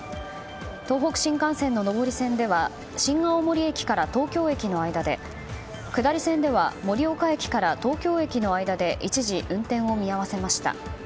東北新幹線の上り線では新青森駅から東京駅の間で下り線では盛岡駅から東京駅の間で一時、運転を見合わせました。